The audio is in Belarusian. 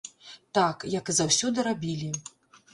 Так, як і заўсёды рабілі.